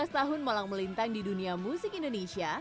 tujuh belas tahun malang melintang di dunia musik indonesia